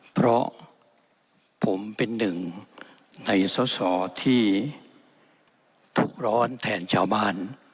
เพราะผมเป็นหนึ่งในสอสอที่ทุกข์ร้อนแทนชาวบ้าน